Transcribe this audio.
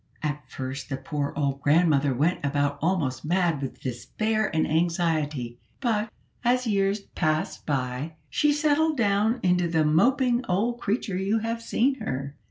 "At first, the poor old grandmother went about almost mad with despair and anxiety, but, as years passed by, she settled down into the moping old creature you have seen her.